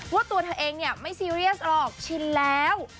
ตัวเธอเองเนี่ยไม่ซีเรียสหรอกชินแล้ว